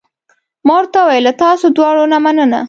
ما ورته وویل: له تاسو دواړو نه مننه.